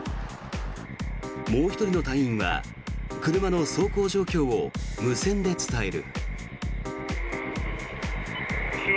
もう１人の隊員は車の走行状況を無線で伝える。